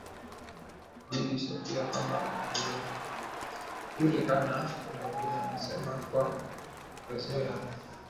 Bibi Sophia kama anavyojulikana na wengine anasema kwa kuongezea